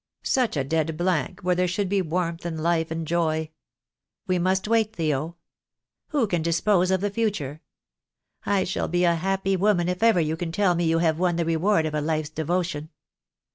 Such a dead blank where there should be warmth and life and joy. We must wait, Theo. Who can dispose of the future? I shall be a happy woman if ever you can tell me you have won the reward of a life's devotion."